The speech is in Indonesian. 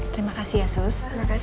terima kasih ya sus